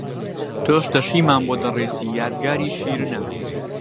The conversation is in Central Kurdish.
تۆش تەشیمان بۆ دەڕێسی یادگاری شیرنە